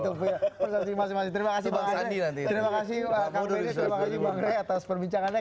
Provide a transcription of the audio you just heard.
terima kasih pak andre atas perbincangannya